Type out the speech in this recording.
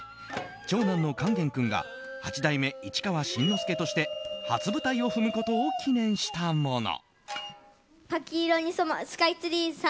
長男の勸玄君が八代目市川新之助として初舞台を踏むことを記念したもの。